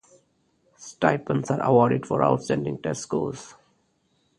Stipends are awarded for outstanding test scores.